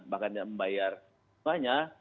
bahkan tidak membayar semuanya